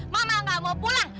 mama gak mau pulang